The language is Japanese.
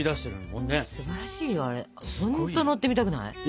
ほんと乗ってみたくない？